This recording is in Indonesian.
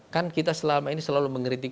kan kita selama ini selalu mengkritik